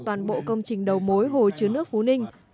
toàn bộ công trình đầu mối hồ chứa nước phú ninh